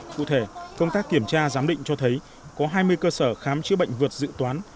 cụ thể công tác kiểm tra giám định cho thấy có hai mươi cơ sở khám chữa bệnh vượt dự toán